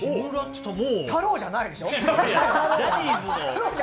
「太郎」じゃないでしょう。